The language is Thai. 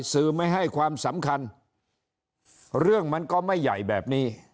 สื่อไม่ให้ความสำคัญเรื่องมันก็ไม่ใหญ่แบบนี้